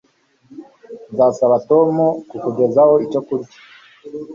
nzasaba tom kukugezaho icyo kurya